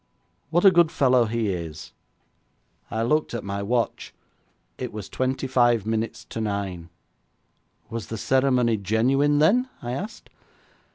What a good fellow he is.' 'I looked at my watch; it was twenty five minutes to nine. 'Was the ceremony genuine then?' I asked.